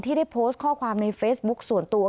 ได้โพสต์ข้อความในเฟซบุ๊คส่วนตัว